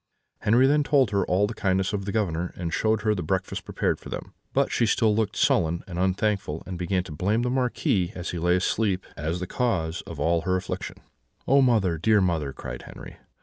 "Henri then told her all the kindness of the Governor, and showed her the breakfast prepared for them; but she still looked sullen and unthankful, and began to blame the Marquis, as he lay asleep, as the cause of all her affliction. "'Oh, mother, dear mother!' cried Henri.